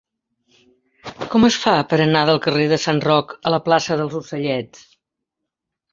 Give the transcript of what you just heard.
Com es fa per anar del carrer de Sant Roc a la plaça dels Ocellets?